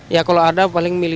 ya kalau ada paling milih